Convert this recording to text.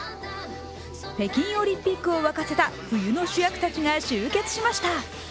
北京オリンピックを沸かせた冬の主役たちが集結しました。